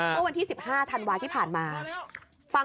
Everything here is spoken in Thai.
เมื่อวันที่๑๕ธันวาที่ผ่านมา